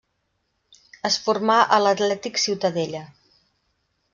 Es formà a l'Atlètic Ciutadella.